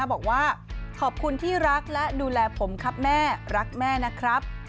บอกว่าขอบคุณที่รักและดูแลผมครับแม่รักแม่นะครับ